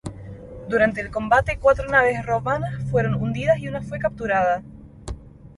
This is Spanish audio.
Durante el combate, cuatro naves romanas fueron hundidas y una fue capturada.